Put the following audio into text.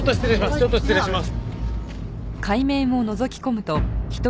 ちょっと失礼します。